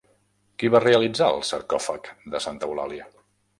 Qui va realitzar el sarcòfag de Santa Eulàlia?